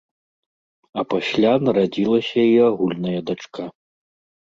А пасля нарадзілася і агульная дачка.